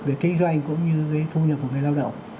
về kinh doanh cũng như cái thu nhập của người lao động